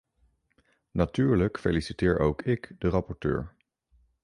Natuurlijk feliciteer ook ik de rapporteur.